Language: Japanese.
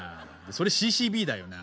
それＣＣＢだよな。